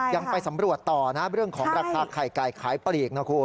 ยังไปสำรวจต่อนะเรื่องของราคาไข่ไก่ขายปลีกนะคุณ